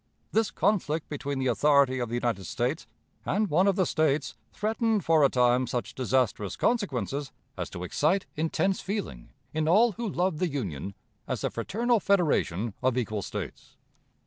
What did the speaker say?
This conflict between the authority of the United States and one of the States threatened for a time such disastrous consequences as to excite intense feeling in all who loved the Union as the fraternal federation of equal States.